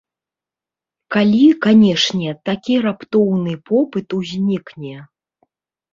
Калі, канешне, такі раптоўны попыт узнікне.